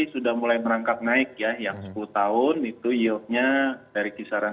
sudah mulai merangkak naik ya yang sepuluh tahun itu yieldnya dari kisaran satu empat satu lima